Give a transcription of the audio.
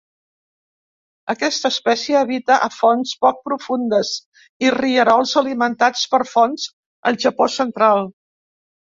Aquesta espècie habita a fonts poc profundes i rierols alimentats per fonts al Japó central.